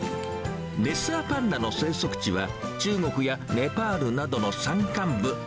レッサーパンダの生息地は、中国やネパールなどの山間部。